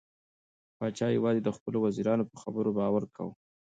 پاچا یوازې د خپلو وزیرانو په خبرو باور کاوه.